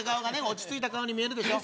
落ち着いた顔に見えるでしょ？